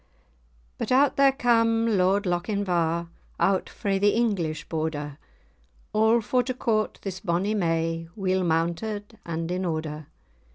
But out there cam Lord Lochinvar, Out frae the English Border, All for to court this bonny may, Weel mounted, and in order.